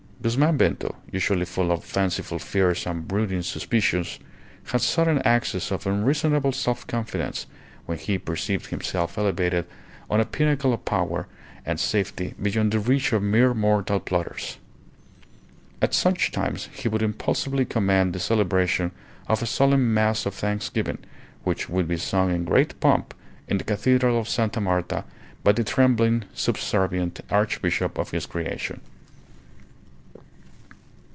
Guzman Bento, usually full of fanciful fears and brooding suspicions, had sudden accesses of unreasonable self confidence when he perceived himself elevated on a pinnacle of power and safety beyond the reach of mere mortal plotters. At such times he would impulsively command the celebration of a solemn Mass of thanksgiving, which would be sung in great pomp in the cathedral of Sta. Marta by the trembling, subservient Archbishop of his creation.